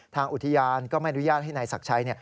ทางอุทยานแห่งศักดิ์ชัยก็ไม่อนุญาตให้นายศักดิ์ชัย